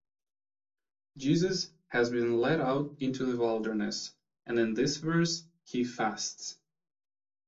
Jesus has been led out into the wilderness and in this verse he fasts.